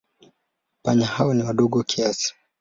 Panya hao ni wadogo kiasi.